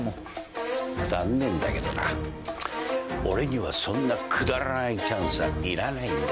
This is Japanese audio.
残念だけどな俺にはそんなくだらないチャンスはいらないんだ。